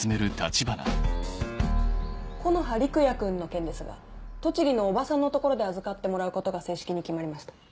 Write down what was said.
木の葉陸也君の件ですが栃木のおばさんの所で預かってもらうことが正式に決まりました。